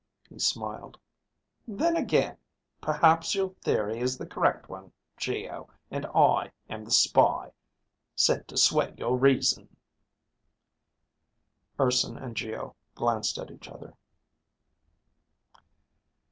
He smiled. "Then again, perhaps your theory is the correct one, Geo, and I am the spy, sent to sway your reason." Urson and Geo glanced at each other.